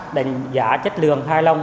và đánh giá chất lượng hài lòng